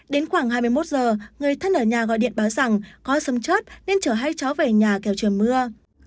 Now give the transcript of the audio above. đến khoảng hai mươi một giờ người thân ở nhà gọi điện báo rằng có sâm chót nên chở hai cháu về nhà kéo trời mưa